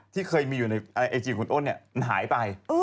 ที่เคยมีอยู่ในไอจีคุณอ้นเนี่ยมันหายไป